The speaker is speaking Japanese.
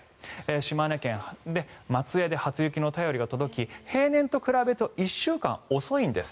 島根県松江で初雪の便りが届き平年と比べると１週間に遅いんです。